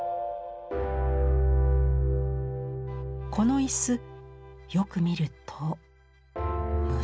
この椅子よく見ると虫？